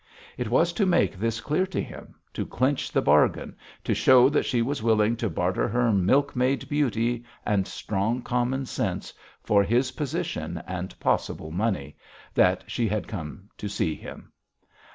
It was to make this clear to him, to clinch the bargain, to show that she was willing to barter her milkmaid beauty and strong common sense for his position and possible money, that she had come to see him.